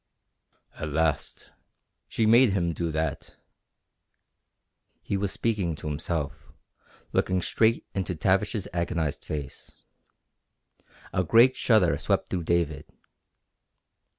"At last! She made him do that!" He was speaking to himself, looking straight into Tavish's agonized face. A great shudder swept through David.